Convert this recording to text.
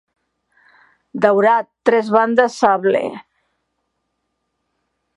Daurat, tres bandes sable